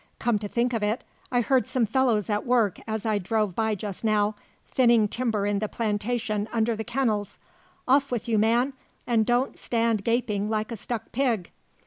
Come to think of it, I heard some fellows at work as I drove by just now, thinning timber in the plantation under the kennels. Off with you, man, and don't stand gaping like a stuck pig!"